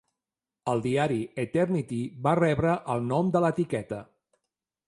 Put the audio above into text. El diari "Eternity" va rebre el nom de l'etiqueta.